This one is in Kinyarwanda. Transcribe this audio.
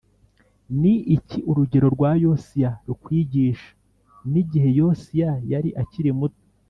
Ni iki urugero rwa Yosiya rukwigisha N igihe Yosiya yari akiri muto